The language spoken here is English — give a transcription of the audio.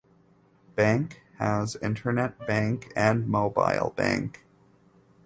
Bank has internet bank and mobile bank.